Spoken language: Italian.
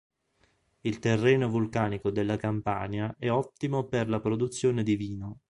Il terreno vulcanico della Campania è ottimo per la produzione di vino.